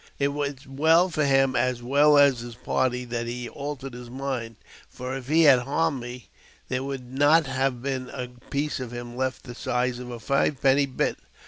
It was well for him, as well as his party, that he altered his mind ; for, if he had harmed me, there would have not been a» piece of him left the size of a five penny bit.